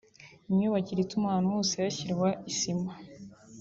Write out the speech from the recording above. Imyubakire ituma ahantu hose hashyirwa isima